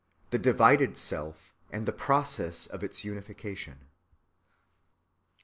THE DIVIDED SELF, AND THE PROCESS OF ITS UNIFICATION.